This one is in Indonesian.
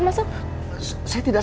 maksudnya jemput aku